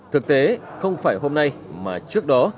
thực tế không phải hôm nay mà trước đó